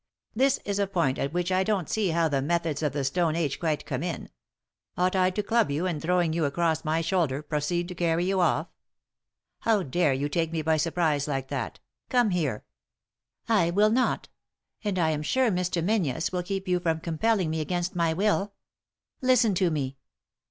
"This is a point at which I don't see how the methods of the Stone Age quite come in. Ought I to club you, and, throwing you across my shoulder, 309 Digtodb/Google THE INTERRUPTED KISS proceed to cany yon off? How dare you take me by surprise like that J Come here 1 "" I will not ; and I am sure Mr. Menzies will keep yon from compelling me against my will. Listen to me."